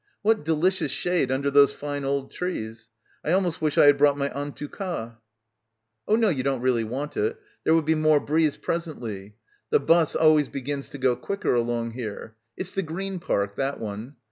"What delicious shade under those fine old trees. I almost wish I had brought my en tout cos." "Oh no, you don't really want it. There will be more breeze presently. The bus always begins to go quicker along here. It's the Green Park, that one.